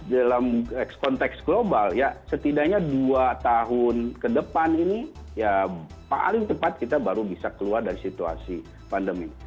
dalam konteks global ya setidaknya dua tahun ke depan ini ya paling cepat kita baru bisa keluar dari situasi pandemi